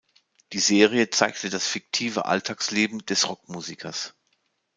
Die Serie zeigte das fiktive Alltagsleben des Rock-Musikers.